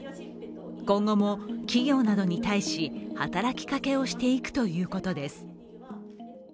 今後も企業などに対し、働きかけをしていくということです。